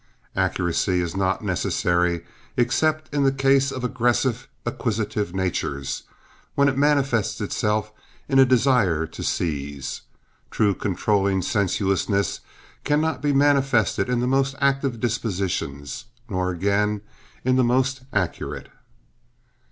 Accuracy is not necessary except in the case of aggressive, acquisitive natures, when it manifests itself in a desire to seize. True controlling sensuousness cannot be manifested in the most active dispositions, nor again in the most accurate.